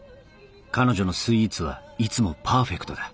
彼女のスイーツはいつもパーフェクトだ